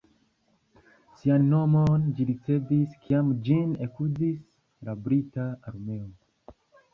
Sian nomon ĝi ricevis kiam ĝin ekuzis la Brita Armeo.